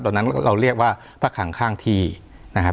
ตอนนั้นเราเรียกว่าพระคังข้างที่นะครับ